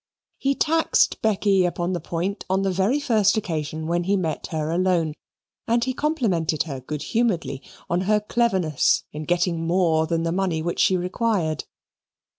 He taxed Becky upon the point on the very first occasion when he met her alone, and he complimented her, good humouredly, on her cleverness in getting more than the money which she required.